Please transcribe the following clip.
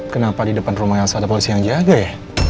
kenapa di depan rumah yang ada polisi yang jaga ya